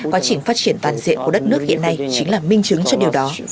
quá trình phát triển toàn diện của đất nước hiện nay chính là minh chứng cho điều đó